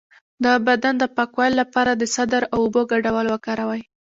د بدن د پاکوالي لپاره د سدر او اوبو ګډول وکاروئ